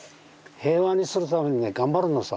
平和にするためにね頑張るのさ。